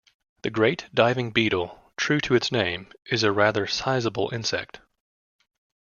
The great diving beetle, true to its name, is a rather sizable insect.